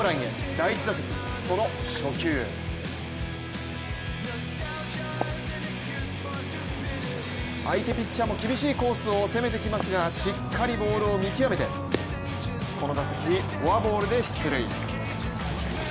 第１打席、その初球相手ピッチャーも厳しいコースを攻めてきますがしっかりボールを見極めて、この打席、フォアボールで出塁。